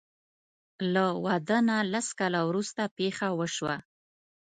له واده نه لس کاله وروسته پېښه وشوه.